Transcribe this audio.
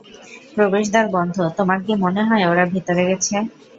প্রবেশদ্বার বন্ধ, তোমার কি মনে হয় ওরা ভেতরে গেছে?